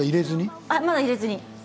まだ入れずに？